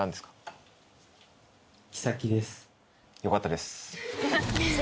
よかったです。